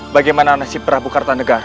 bagaimana nasib prabu kartanegara